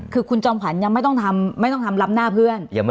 คือคุณจอมขวัญยังไม่ต้องทำรับหน้าเพื่อน